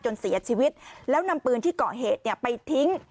เสียชีวิตแล้วนำปืนที่เกาะเหตุไปทิ้ง